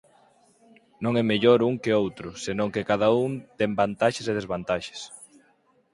Non é mellor un que outro senón que cada un ten vantaxes e desvantaxes.